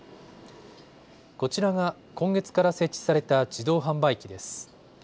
こちらが今月から設置された自動販売機です。